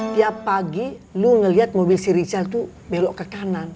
tiap pagi lu melihat mobil si richard itu belok ke kanan